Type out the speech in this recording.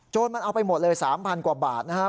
มันเอาไปหมดเลย๓๐๐กว่าบาทนะครับ